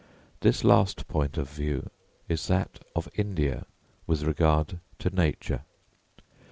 This last point of view is that of India with regard to nature.